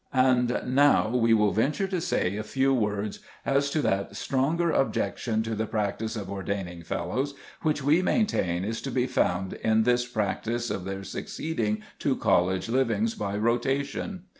And now we will venture to say a few words as to that stronger objection to the practice of ordaining fellows which we maintain is to be found in this practice of their succeeding to college livings by rotation.